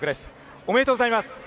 おめでとうございます。